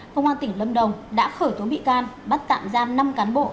công an tỉnh lâm đồng đã khởi tố bị can bắt tạm giam năm cán bộ